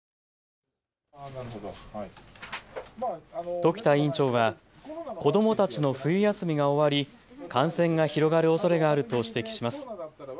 時田院長は子どもたちの冬休みが終わり、感染が広がるおそれがあると指摘します。